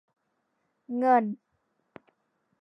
เงิน